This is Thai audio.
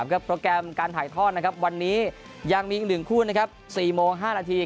โปรแกรมการถ่ายทอดนะครับวันนี้ยังมีอีก๑คู่๔โมง๕นาที